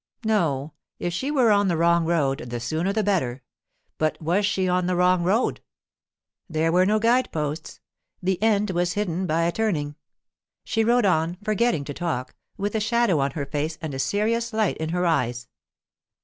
No, if she were on the wrong road, the sooner the better; but was she on the wrong road? There were no guide posts; the end was hidden by a turning. She rode on, forgetting to talk, with a shadow on her face and a serious light in her eyes.